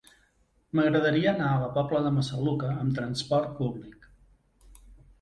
M'agradaria anar a la Pobla de Massaluca amb trasport públic.